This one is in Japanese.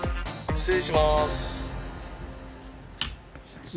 失礼します。